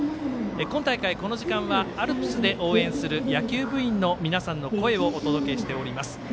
今大会、この時間はアルプスで応援する野球部員の皆さんの声をお届けしております。